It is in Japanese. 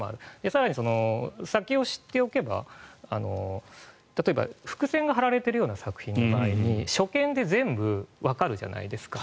更に、先を知っておけば例えば、伏線が張られているような作品の場合に初見で全部わかるじゃないですか。